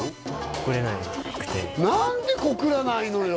告れなくて何で告らないのよ！